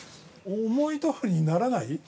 ◆思いどおりにならない。